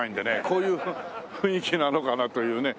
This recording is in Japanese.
こういう雰囲気なのかなというね。